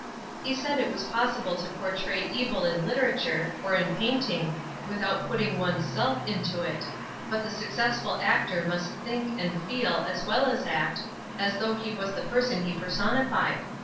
He said it was possible to portray evil in literature, or in painting, mthout putting one's self into it; but the successful actor must ON THE TRAIL 149 think, and feel, as well as act, as though he was the person he personified.